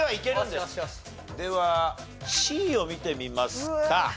ではＣを見てみますか。